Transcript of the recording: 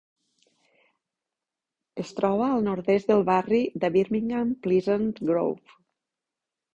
Es troba al nord-est del barri de Birmingham Pleasant Grove.